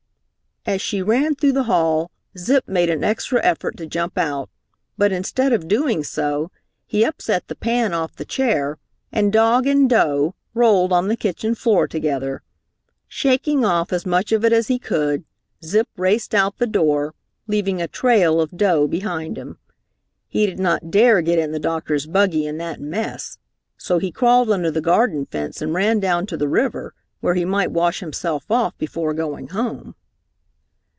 As she ran through the hall, Zip made an extra effort to jump out, but instead of doing so, he upset the pan off the chair, and dog and dough rolled on the kitchen floor together. Shaking off as much of it as he could, Zip raced out the door, leaving a trail of dough behind him. He did not dare get in the doctor's buggy in that mess, so he crawled under the garden fence and ran down to the river, where he might wash himself off before going home.